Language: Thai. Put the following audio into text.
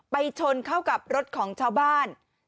ชนเข้ากับรถของชาวบ้าน